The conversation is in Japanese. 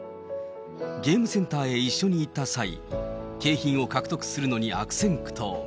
ゲームセンターに一緒に行った際、景品を獲得するのに悪戦苦闘。